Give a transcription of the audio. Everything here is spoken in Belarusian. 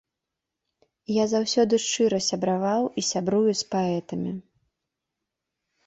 Я заўсёды шчыра сябраваў і сябрую з паэтамі.